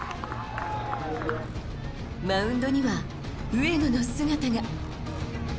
マウンドには上野の姿が。